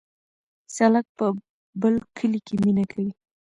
سالک په بل کلي کې مینه کوي